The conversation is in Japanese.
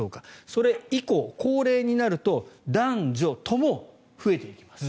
それ以降、高齢になると男女とも増えていきます。